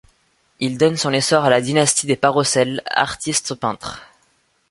Il donne son essor à la dynastie des Parrocel, artistes peintres.